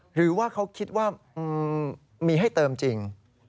หรือว่าเขาคิดว่ามีให้เติมจริง